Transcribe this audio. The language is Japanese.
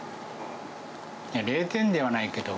いや、０点ではないけど。